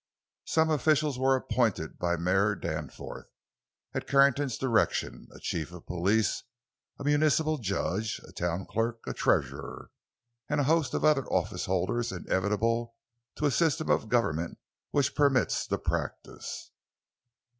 Some officials were appointed by Mayor Danforth—at Carrington's direction; a chief of police, a municipal judge, a town clerk, a treasurer—and a host of other office holders inevitable to a system of government which permits the practice.